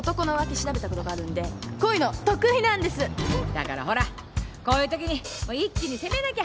だからほらこういうときにもう一気に攻めなきゃ。